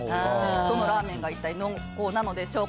どのラーメンが、一体濃厚なのでしょうか。